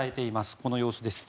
この様子です。